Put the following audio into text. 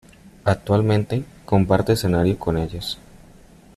Actualmente, comparte escenario con ellos.